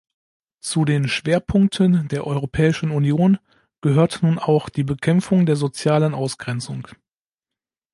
Zu den Schwerpunkten der Europäischen Union gehört nun auch die Bekämpfung der sozialen Ausgrenzung.